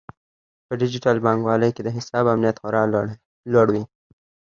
په ډیجیټل بانکوالۍ کې د حساب امنیت خورا لوړ وي.